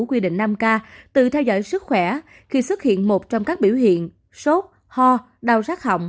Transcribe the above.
quy định năm k từ theo dõi sức khỏe khi xuất hiện một trong các biểu hiện sốt ho đau rác hỏng